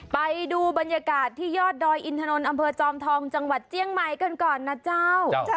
ไปดูบรรยากาศที่ยอดดอยอินถนนอำเภอจอมทองจังหวัดเจียงใหม่กันก่อนนะเจ้า